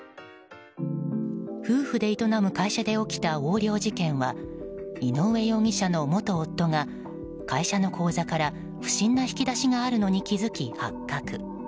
夫婦で営む会社で起きた横領事件は井上容疑者の元夫が会社の口座から不審な引き出しがあるのに気付き発覚。